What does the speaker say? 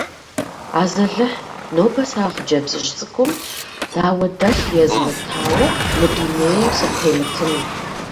Азалыхь, нобэ сэ а хъыджэбзыжь цӀыкӀум дауэдэлъ езмытауэ мы дунейм сытемытын.